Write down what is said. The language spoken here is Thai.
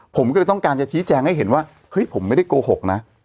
ผมก็เลยต้องการจะชี้แจงให้เห็นว่าเฮ้ยผมไม่ได้โกหกนะ